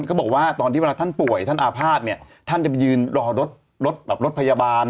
เขาบอกว่าตอนที่เวลาท่านป่วยท่านอาภาษณ์เนี่ยท่านจะไปยืนรอรถรถแบบรถพยาบาล